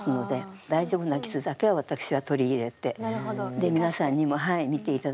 で皆さんにもはい見て頂けるように。